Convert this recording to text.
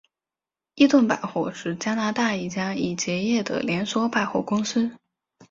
伊顿百货是加拿大一家已结业的连锁百货公司。